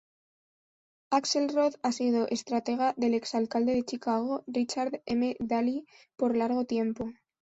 Axelrod ha sido estratega del ex-alcalde de Chicago, Richard M. Daley, por largo tiempo.